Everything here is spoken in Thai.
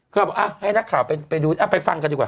ก็ถ่าวให้รายการณ์เข้าไปดูไปฟังก่อนดีกว่า